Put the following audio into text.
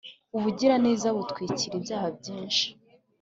ubugiraneza butwikira ibyaha byinshi